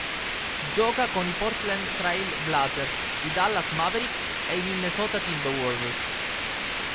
Gioca con i Portland Trail Blazers, i Dallas Mavericks ed i Minnesota Timberwolves.